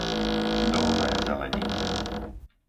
Dolné Zelenice